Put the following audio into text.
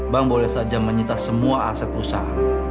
bang boleh saja menyita semua aset perusahaan